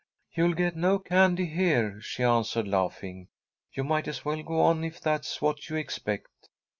"You'll get no candy here," she answered, laughing. "You might as well go on if that's what you expect."